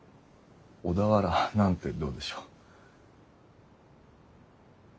小田原なんてどうでしょう？